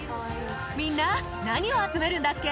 みんな、何を集めるんだっけ？